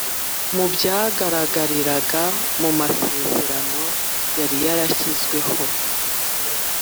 Mu byagaragariraga mu masezerano yari yarashyizweho